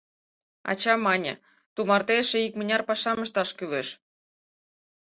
Ача мане: «Тумарте эше икмыняр пашам ышташ кӱлеш».